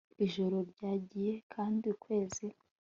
ijoro ryagiye kandi ukwezi